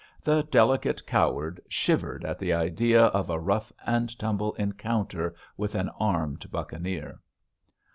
The delicate coward shivered at the idea of a rough and tumble encounter with an armed buccaneer.